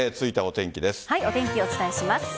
お天気、お伝えします。